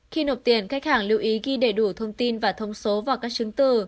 khi nộp tiền khách hàng lưu ý ghi đầy đủ thông tin và thông số vào các chứng từ